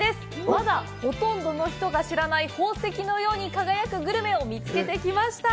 まだほとんどの人が知らない宝石のように輝くグルメをグルメを見つけてきました。